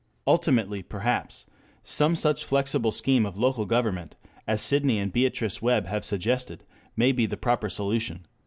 Ultimately perhaps some such flexible scheme of local government as Sidney and Beatrice Webb have suggested may be the proper solution.